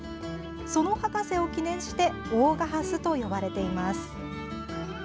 その博士を記念して「大賀ハス」と呼ばれています。